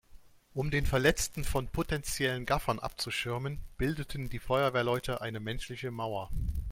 Um den Verletzten von potenziellen Gaffern abzuschirmen, bildeten die Feuerwehrleute eine menschliche Mauer.